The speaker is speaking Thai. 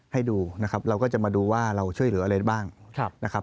ให้ดูนะครับเราก็จะมาดูว่าเราช่วยเหลืออะไรบ้างนะครับ